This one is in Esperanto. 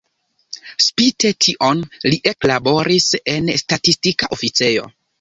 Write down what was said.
Spite tion li eklaboris en statistika oficejo.